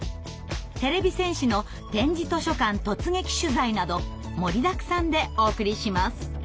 てれび戦士の「点字図書館突撃取材」など盛りだくさんでお送りします。